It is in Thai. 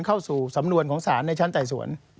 เข้าสู่สำนวนของศาลในชั้นไต่สวน